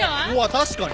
確かに。